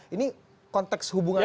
ini konteks hubungannya apa